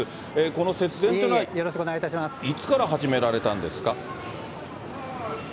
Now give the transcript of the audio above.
この節電というのは、いつから始められたんですか？